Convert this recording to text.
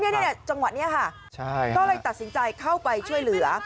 นี่จังหวะนี้ค่ะก็เลยตัดสินใจเข้าไปช่วยเหลือ